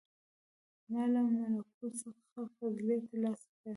• ما له ملکوت څخه فضیلت تر لاسه کړ.